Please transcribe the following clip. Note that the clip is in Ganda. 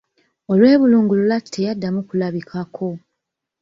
Olwebulungulula ati teyaddamu kulabikako.